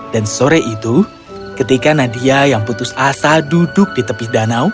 dan sore itu ketika nadia yang putus asa duduk di tepi danau